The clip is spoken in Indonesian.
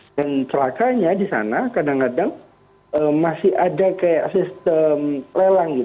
dan selakanya di sana kadang kadang masih ada sistem lelang